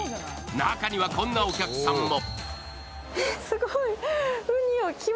中にはこんなお客さんも。